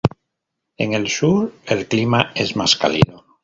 En el sur, el clima es más cálido.